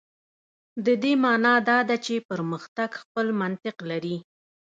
د دې معنا دا ده چې پرمختګ خپل منطق لري.